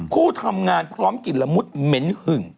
ผู้ทำงานพร้อมกลิ่นละมุดเหม็นหึ่ง